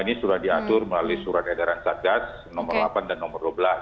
ini sudah diatur melalui surat edaran satgas nomor delapan dan nomor dua belas